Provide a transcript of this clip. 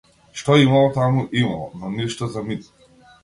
Што имало таму, имало, но ништо за мит.